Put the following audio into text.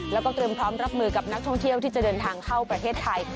แล้วก็เตรียมพร้อมรับมือกับนักท่องเที่ยวที่จะเดินทางเข้าประเทศไทย